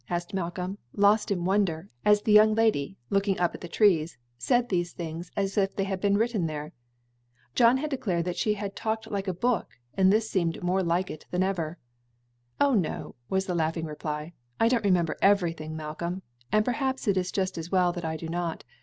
asked Malcolm, lost in wonder, as the young lady, looking up at the trees, said these things as if they had been written there. John had declared that she talked like a book, and this seemed more like it than ever. "Oh no," was the laughing reply; "I do not remember everything, Malcolm, and perhaps it is just as well that I do not.